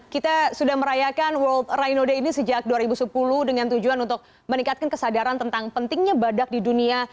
kita sudah merayakan world rhino day ini sejak dua ribu sepuluh dengan tujuan untuk meningkatkan kesadaran tentang pentingnya badak di dunia